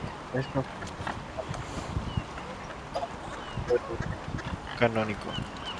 Es considerado uno de los más importantes expertos del Código de Derecho Canónico.